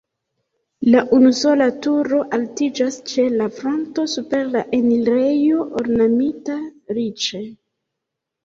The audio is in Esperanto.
La unusola turo altiĝas ĉe la fronto super la enirejo ornamita riĉe.